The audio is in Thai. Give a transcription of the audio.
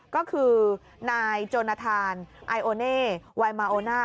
ก็คือนายโจนทานไอโอเน่ไวมาโอน่า